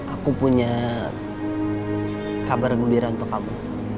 aku punya kabar lebih rata untuk kamu